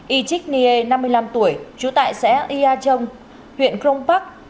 y trích nghê năm mươi năm tuổi trú tại xã y a trông huyện crong bắc